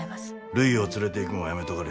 るいを連れていくんはやめとかれ。